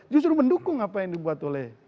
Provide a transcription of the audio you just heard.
justru mendukung apa yang dibuat oleh